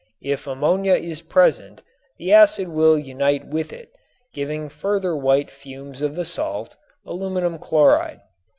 If ammonia is present the acid will unite with it, giving further white fumes of the salt, ammonium chloride.